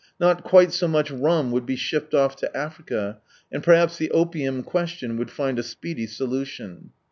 Not quite so much rum would be shipped off to Africa, and perhaps the opium question would find a speedy solution.